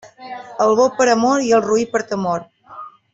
Al bo per amor i al roí per temor.